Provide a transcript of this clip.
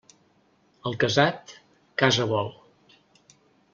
El casat, casa vol.